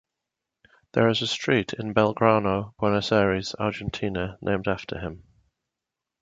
There is a street in Belgrano, Buenos Aires, Argentina, named after him.